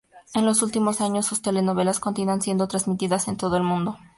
En los últimos años, sus telenovelas continúan siendo transmitidas en todo el mundo.